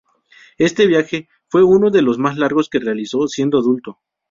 Este viaje fue uno de los más largos que realizó siendo adulto.